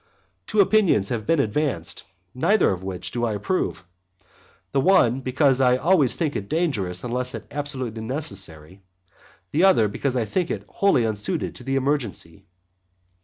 Two opinions have been advanced, neither of which do I approve. The one, because I always think it dangerous unless it be absolutely necessary, the other, because I think it wholly unsuited to the emergency.